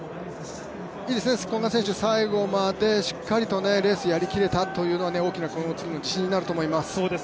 いいですね、古賀選手、最後までしっかりとレースやりきれたというのは大きな次への自信になるかと思います。